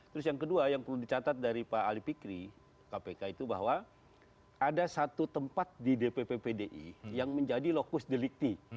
terus yang kedua yang perlu dicatat dari pak ali fikri kpk itu bahwa ada satu tempat di dpp pdi yang menjadi lokus delikti